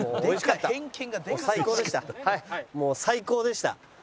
もう最高でした。